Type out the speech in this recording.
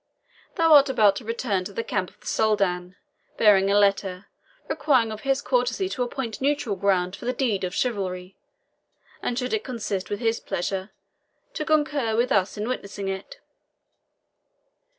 Thou art about to return to the camp of the Soldan, bearing a letter, requiring of his courtesy to appoint neutral ground for the deed of chivalry, and should it consist with his pleasure, to concur with us in witnessing it.